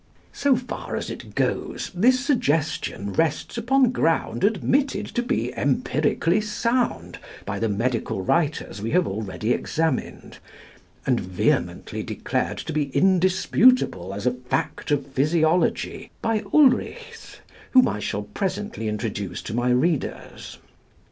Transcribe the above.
" So far as it goes, this suggestion rests upon ground admitted to be empirically sound by the medical writers we have already examined, and vehemently declared to be indisputable as a fact of physiology by Ulrichs, whom I shall presently introduce to my readers.